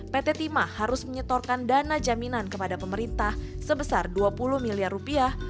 pt timah harus menyetorkan dana jaminan kepada pemerintah sebesar dua puluh miliar rupiah